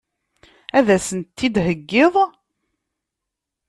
Ad sent-t-id-theggiḍ?